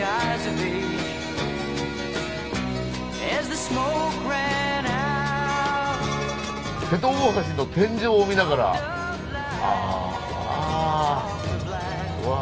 瀬戸大橋の天井を見ながらうわ！